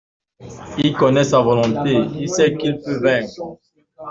Il connait sa volonté, il sait qu’il peut vaincre.